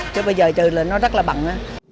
chứ bây giờ trừ là nó rất là bằng